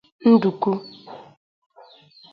nduku